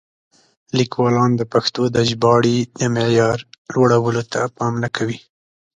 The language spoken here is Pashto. لیکوالان د پښتو د ژباړې د معیار لوړولو ته پام نه کوي.